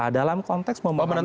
dalam konteks memenuhi